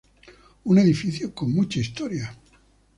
Un edificio con mucha historia.